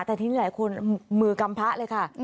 แต่ทีนี้หลายคนมือกำพะเลยค่ะ